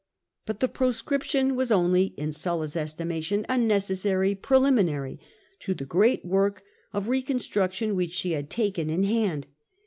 But the Proscription was only, in Sulla's estimation, a necessary preliminary to the great work of recon struction which he had taken in hand.